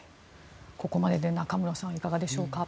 ここまでで中室さんいかがでしょうか。